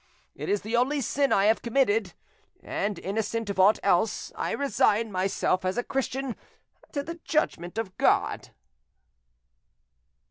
It is the only sin I have committed, and, innocent of aught else, I resign myself as a Christian to the judgment of God."